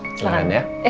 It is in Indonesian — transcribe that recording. eh silahkan dulu sini ya